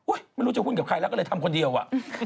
ไม่รู้จะหุ้นกับใครแล้วก็เลยทำคนเดียวอ่ะ